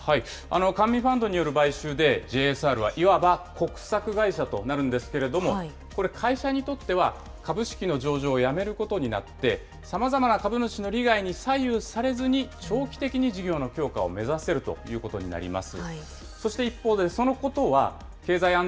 官民ファンドによる買収で、ＪＳＲはいわば国策会社となるんですけれども、これ、会社にとっては、株式の上場をやめることになって、さまざまな株主の利害に左右されずに、長期的に事業の強化を目指せるということになります。